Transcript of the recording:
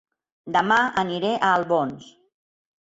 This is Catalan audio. Dema aniré a Albons